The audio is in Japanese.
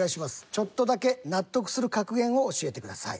ちょっとだけ納得する格言を教えてください。